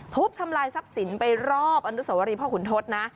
ทุบทำลายทรัพย์สินไปรอบอนุสวรีพ่อขุนทศนะ